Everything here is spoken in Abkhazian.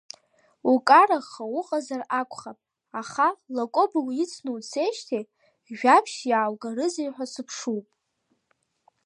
Укараха уҟазар акәхап, аха, Лакоба уицны уцеижьҭеи, жәабжьс иааугарызеи ҳәа сыԥшуп.